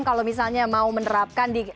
kalau misalnya mau menerapkan di